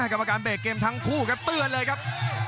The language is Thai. กรรมการเบรกเกมทั้งคู่ครับเตือนเลยครับ